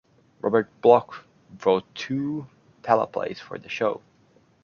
Robert Bloch wrote two teleplays for the show.